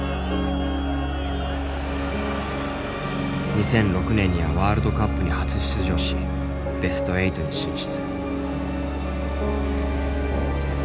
２００６年にはワールドカップに初出場しベスト８に進出。